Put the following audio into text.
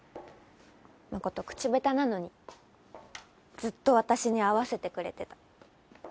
誠口下手なのにずっと私に合わせてくれてた。